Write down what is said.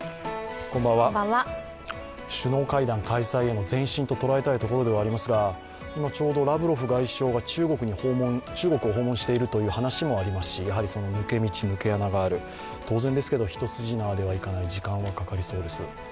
首脳会談開催への前進と捉えたいところではありますが今、ちょうどラブロフ外相が中国を訪問しているという話もありますしその抜け道、抜け穴がある、当然ですけど、一筋縄ではいかない時間はかかりそうです。